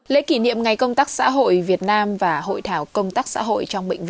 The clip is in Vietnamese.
lễ kỷ niệm ngày công tác xã hội việt nam và hội thảo công tác xã hội hai nghìn hai mươi bốn